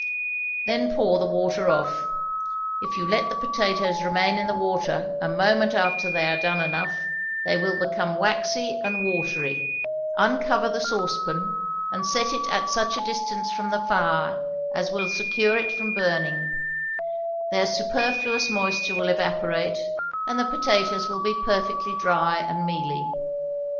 Then pour the water off (if you let the potatoes remain in the water a moment after they are done enough, they will become waxy and watery), uncover the saucepan, and set it at such a distance from the fire as will secure it from burning; their superfluous moisture will evaporate, and the potatoes will be perfectly dry and mealy.